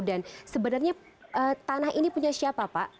dan sebenarnya tanah ini punya siapa pak